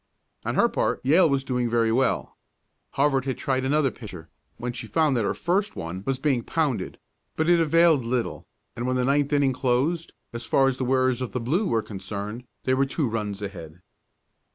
On her part Yale was doing very well. Harvard had tried another pitcher when she found that her first one was being pounded, but it availed little, and when the ninth inning closed, as far as the wearers of the blue were concerned, they were two runs ahead.